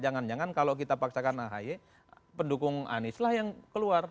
jangan jangan kalau kita paksakan ahy pendukung anies lah yang keluar